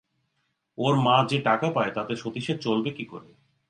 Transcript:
ওর মা যে টাকা পায় তাতে সতীশের চলবে কী করে।